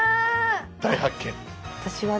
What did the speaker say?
大発見！